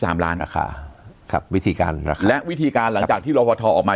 สามล้านราคาครับวิธีการราคาและวิธีการหลังจากที่รอพอทอออกมา